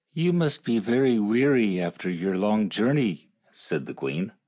" You must be weary after your long jour ney," said the queen.